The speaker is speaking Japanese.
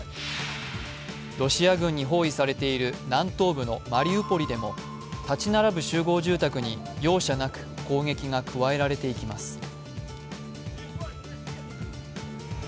ロシア軍に包囲されている南東部のマリウポリでも建ち並ぶ集合住宅に容赦なく攻撃が加えられていきます。